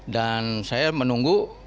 dan saya menunggu